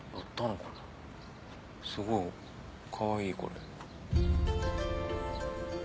すごいかわいいこれ。